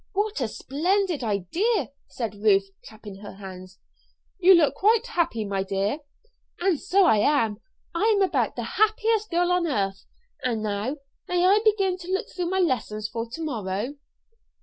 "What a splendid idea!" said Ruth, clapping her hands. "You look quite happy, my dear." "And so I am. I am about the happiest girl on earth. And now, may I begin to look through my lessons for to morrow?"